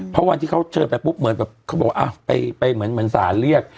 เพราะวันที่เขาเชิญไปปุ๊บเหมือนแบบเขาบอกไปเหมือนสารเรียก